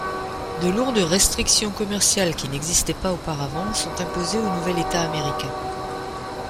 De lourdes restrictions commerciales qui n'existaient pas auparavant sont imposées au nouvel État américain.